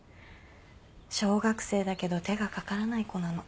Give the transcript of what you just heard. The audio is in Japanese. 小学生だけど手がかからない子なの。